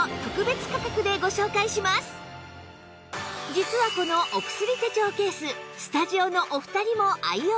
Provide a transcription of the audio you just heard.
実はこのお薬手帳ケーススタジオのお二人も愛用中